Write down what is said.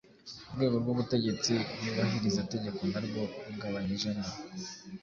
Urwego rw’Ubutegetsi Nyubahirizategeko na rwo rugabanyijemo